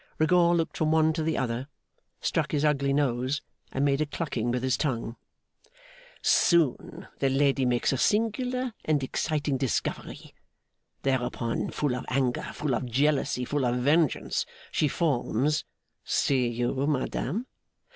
Rigaud looked from one to the other, struck his ugly nose, and made a clucking with his tongue. 'Soon the lady makes a singular and exciting discovery. Thereupon, full of anger, full of jealousy, full of vengeance, she forms see you, madame!